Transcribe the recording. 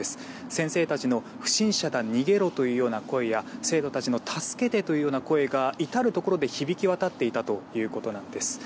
先生たちの不審者だ、逃げろというような声や生徒たちの助けてというような声が至るところで響き渡っていたということなんです。